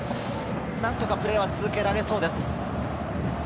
何とかプレーは続けられそうです。